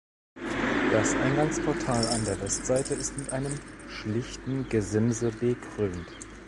Das Eingangsportal an der Westseite ist mit einem schlichten Gesimse bekrönt.